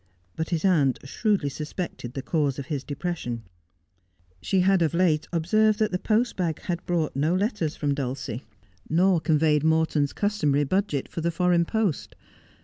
But his aunt shrewdly suspected the cause of his depression. She had of late observed that the post bag had brought no letters from Dulcie. Was Life Worth Living? 1S9 nor conveyed Morton's customary budget for the foreign post.